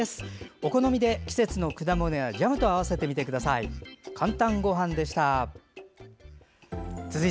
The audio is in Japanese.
お好みで季節の果物やジャムと合わせてみてください。